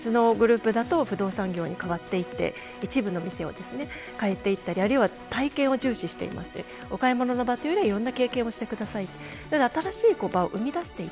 すでに別のグループだと不動産業に変わっていって一部の店を変えていったりあるいは体験を重視していてお買い物の場というよりはいろいろな経験をしてください。